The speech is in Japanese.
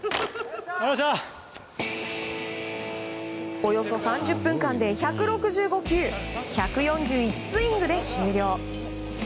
およそ３０分間で１６５球１４１スイングで終了。